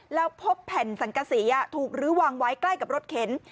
แล้วพบแผ่นสังกษีถูกลื้อวางไว้ใกล้กับรถเข็น